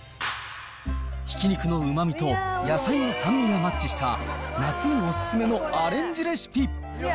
ひき肉のうまみと野菜の酸味がマッチした夏にオススメのアレンジレシピ。